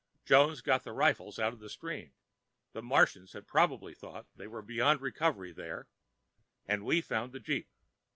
Jones got the rifles out of the stream (the Martians had probably thought they were beyond recovery there) and we found the jeep.